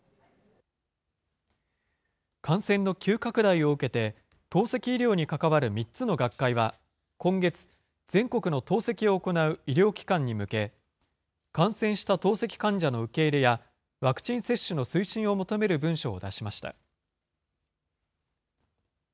感染の急拡大を受けて、透析医療に関わる３つの学会は、今月、全国の透析を行う医療機関に向け、感染した透析患者の受け入れや、ワクチン接種の推進を求める文書を出しました。